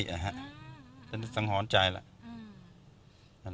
ฉันต้องหอนใจแล้ว